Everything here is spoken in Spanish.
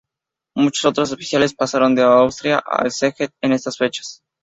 Muchos otros oficiales pasaron de Austria a Szeged en estas fechas.